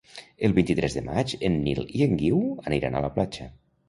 El vint-i-tres de maig en Nil i en Guiu aniran a la platja.